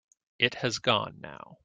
It has gone now.